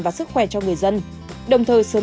và sức khỏe cho người dân đồng thời sớm